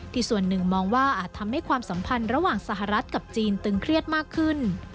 ส่วนหนึ่งมองว่าอาจทำให้ความสัมพันธ์ระหว่างสหรัฐกับจีนตึงเครียดมากขึ้น